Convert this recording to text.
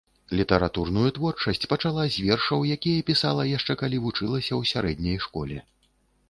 Літаратурную творчасць пачала з вершаў, якія пісала яшчэ калі вучылася ў сярэдняй школе.